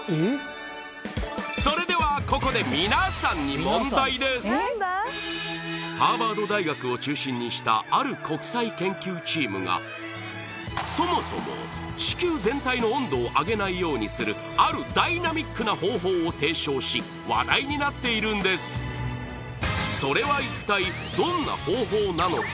それではここで皆さんに問題ですハーバード大学を中心にしたある国際研究チームがそもそも地球全体の温度を上げないようにするあるダイナミックな方法を提唱し話題になっているんですそれは一体どんな方法なのか？